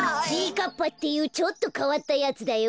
かっぱっていうちょっとかわったやつだよ。